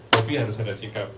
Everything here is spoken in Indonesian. bopi harus ada sikap